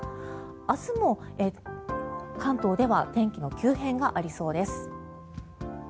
明日も関東では天気の急変がありそうです。